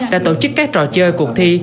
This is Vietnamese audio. đã tổ chức các trò chơi cuộc thi